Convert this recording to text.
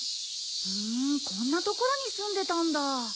ふんこんな所に住んでたんだ。